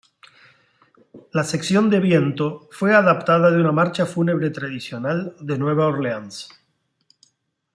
La sección de viento fue adaptada de una marcha fúnebre tradicional de Nueva Orleans.